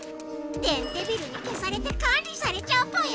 電デビルにけされて管理されちゃうぽよ。